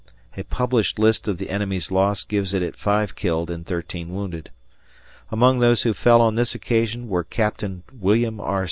A published list of the enemy's loss gives it at 5 killed and 13 wounded. Among those who fell on this occasion were Capt. William R.